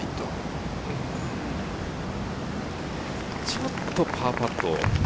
ちょっとパーパット。